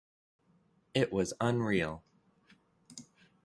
It was unreal.